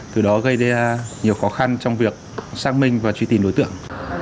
từ đó gây ra nhiều khó khăn trong việc xác minh và truy tìm đối tượng